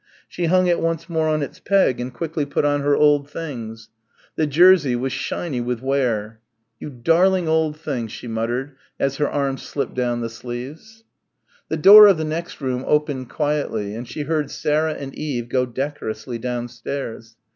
She hung it once more on its peg and quickly put on her old things. The jersey was shiny with wear. "You darling old things," she muttered as her arms slipped down the sleeves. The door of the next room opened quietly and she heard Sarah and Eve go decorously downstairs.